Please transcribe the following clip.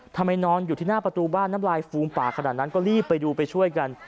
นอนอยู่ที่หน้าประตูบ้านน้ำลายฟูมปากขนาดนั้นก็รีบไปดูไปช่วยกัน